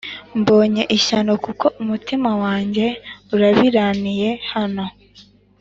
Mbonye ishyano kuko umutima wanjye urabiraniye hano